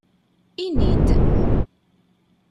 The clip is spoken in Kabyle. Ini-d!